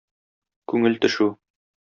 Күңел төшү.